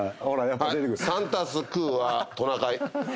サンタ救うはトナカイ。